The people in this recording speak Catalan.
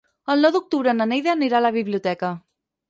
El nou d'octubre na Neida anirà a la biblioteca.